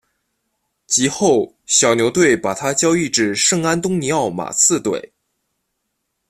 及后小牛队把他交易至圣安东尼奥马刺队。